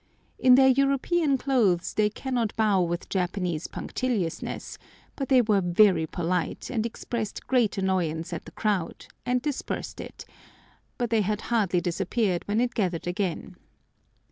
In their European clothes they cannot bow with Japanese punctiliousness, but they were very polite, and expressed great annoyance at the crowd, and dispersed it; but they had hardly disappeared when it gathered again.